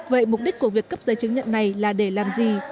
vậy mục đích của việc cấp giấy chứng nhận này là để làm gì